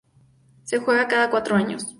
Se juega cada cuatro años.